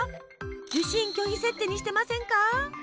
受信拒否設定にしてませんか？